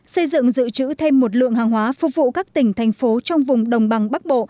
xây dựng dự trữ thêm một lượng hàng hóa phục vụ các tỉnh thành phố trong vùng đồng bằng bắc bộ